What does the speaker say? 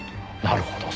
なるほど。